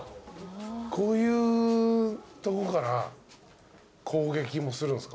こういうとこから攻撃もするんすか？